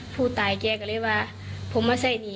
ผู้ตายแก่กันเลยว่าผมไม่ใช่นี่